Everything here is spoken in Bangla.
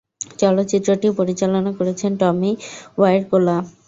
চলচ্চিত্রটি পরিচালনা করেছেন টমি ওয়াইরকোলা।